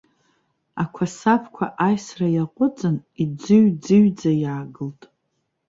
Ақәасабқәа аисра иаҟәыҵын, иӡыҩ-ӡыҩӡа иаагылт.